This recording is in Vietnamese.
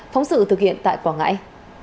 phóng sự thực hiện tại quảng ngãi